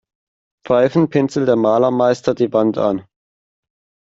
Pfeifend pinselt der Malermeister die Wand an.